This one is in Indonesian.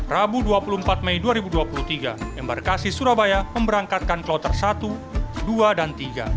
rabu dua puluh empat mei dua ribu dua puluh tiga embarkasi surabaya memberangkatkan kloter satu dua dan tiga